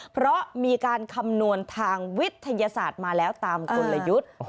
เพราะมีการคำนวณทางวิทยาศาสตร์มาแล้วตามกลยุทธ์